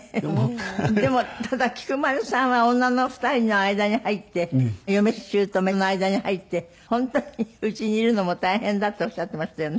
でもただ菊丸さんは女の２人の間に入って嫁姑の間に入って本当に家にいるのも大変だっておっしゃっていましたよね。